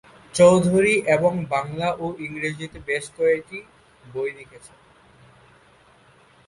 চৌধুরী এবং বাংলা ও ইংরেজিতে বেশ কয়েকটি বই লিখেছেন।